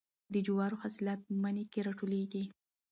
د جوارو حاصلات په مني کې راټولیږي.